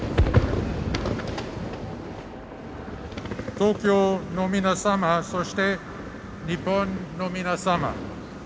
東京の皆様そして日本の皆様。